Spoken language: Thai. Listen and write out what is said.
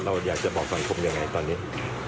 เราอยากจะบอกสังคมยังไงตอนนี้